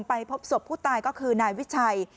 พบศพผู้ตายก็คือนายวิชัย